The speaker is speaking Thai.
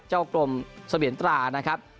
เจ้ากรมสวัสดิ์เหรียญตรานะครับ